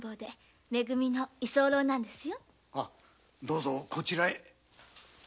どうぞこちらへ。